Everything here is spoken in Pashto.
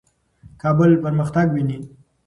کابل پرمختګ ویني.